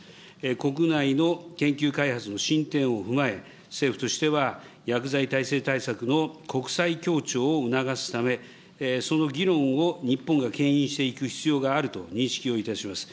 国内の研究開発の進展を踏まえ、政府としては、薬剤耐性対策の国際協調を促すため、その議論を日本がけん引していく必要があると認識をいたします。